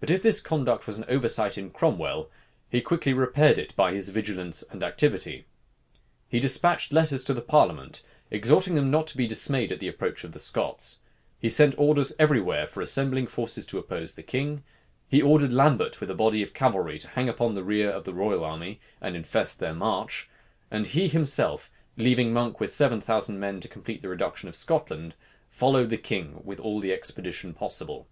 But if this conduct was an oversight in Cromwell, he quickly repaired it by his vigilance and activity. He despatched letters to the parliament, exhorting them not to be dismayed at the approach of the Scots: he sent orders every where for assembling forces to oppose the king: he ordered Lambert with a body of cavalry to hang upon the rear of the royal army, and infest their march; and he himself, leaving Monk with seven thousand men to complete the reduction of Scotland, followed the king with all the expedition possible.